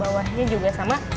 bawahnya juga sama